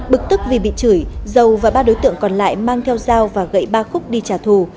bực tức vì bị chửi dầu và ba đối tượng còn lại mang theo dao và gậy ba khúc đi trả thù